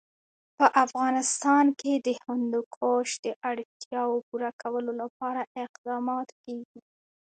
په افغانستان کې د هندوکش د اړتیاوو پوره کولو لپاره اقدامات کېږي.